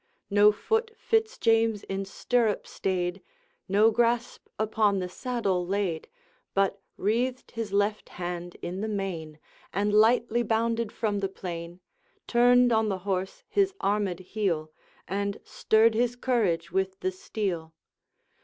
No foot Fitz James in stirrup stayed, No grasp upon the saddle laid, But wreathed his left hand in the mane, And lightly bounded from the plain, Turned on the horse his armed heel, And stirred his courage with the steel.